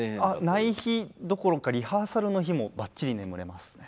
ない日どころかリハーサルの日もバッチリ眠れますね。